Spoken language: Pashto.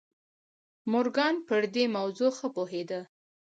مورګان پر دې موضوع ښه پوهېده.